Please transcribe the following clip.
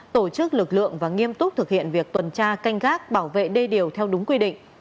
tổ chức lực lượng và nghiêm túc thực hiện việc tuần tra canh gác bảo vệ đê điều theo đúng quy định